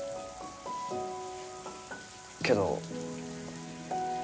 けど。